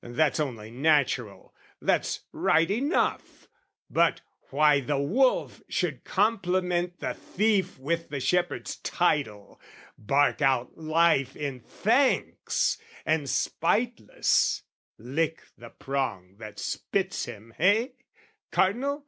That's only natural, that's right enough: But why the wolf should compliment the thief With the shepherd's title, bark out life in thanks, And, spiteless, lick the prong that spits him, eh, Cardinal?